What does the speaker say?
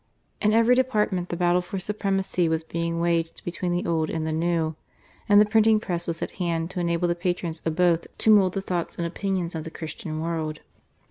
In every department the battle for supremacy was being waged between the old and the new, and the printing press was at hand to enable the patrons of both to mould the thoughts and opinions of the Christian world.